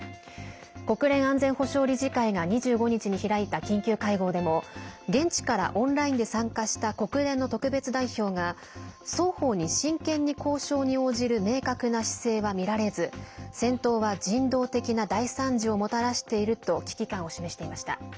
国連安全保障理事会が２５日に開いた緊急会合でも現地からオンラインで参加した国連の特別代表が双方に真剣に交渉に応じる明確な姿勢は見られず戦闘は人道的な大惨事をもたらしていると危機感を示していました。